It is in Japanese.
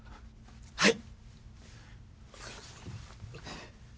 はい。